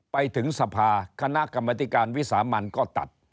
ไปถึงสภาคณะกรรมธิการวิสามันก็ตัด